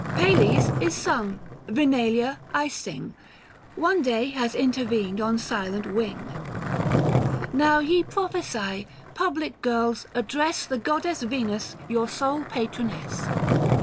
Pales is sung : Vinalia I sing. One day has intervened on silent wing. Now, ye Professse, public girls, address The goddess Venus, your sole patroness.